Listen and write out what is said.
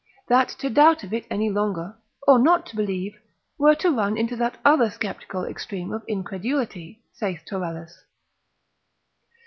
that to doubt of it any longer, or not to believe, were to run into that other sceptical extreme of incredulity, saith Taurellus.